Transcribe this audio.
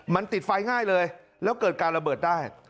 มันติดไฟง่ายเลยแล้วเกิดการระเบิดได้